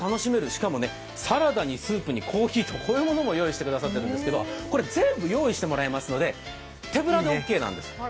しかもサラダにスープにコーヒーと、こういうものも用意してくださっているんですけど、これ全部用意してもらえますので、手ぶらでオーケーなんです。